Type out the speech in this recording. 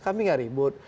kami tidak ribut